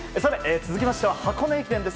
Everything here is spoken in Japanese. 続きましては箱根駅伝です。